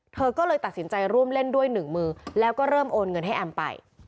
เธอก็เลยตัดสินใจร่วมเล่นด้วยหนึ่งมือแล้วก็เริ่มโอนเงินให้แอมไป